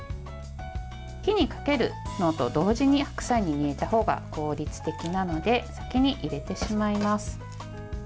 火にかけるのと同時に白菜を入れたほうが効率的なので先に入れてしまいます。